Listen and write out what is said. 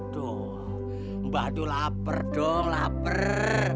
tuh mbah tuh lapar dong lapar